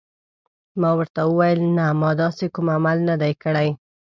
ما ورته وویل: نه، ما داسې کوم عمل نه دی کړی.